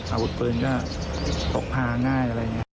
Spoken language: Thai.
อาวุธปืนก็ตกพาง่าย